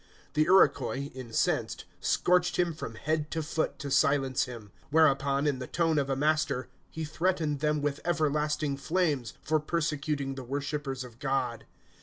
The Iroquois, incensed, scorched him from head to foot, to silence him; whereupon, in the tone of a master, he threatened them with everlasting flames, for persecuting the worshippers of God.